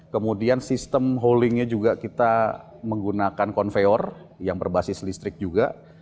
kemudian sistem holdingnya juga kita menggunakan konveyor yang berbasis listrik juga